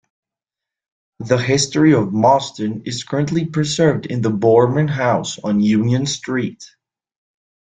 The history of Mauston is currently preserved in the Boorman House on Union Street.